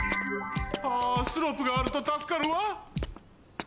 ああスロープがあるとたすかるわ！